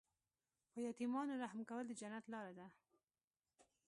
په یتیمانو رحم کول د جنت لاره ده.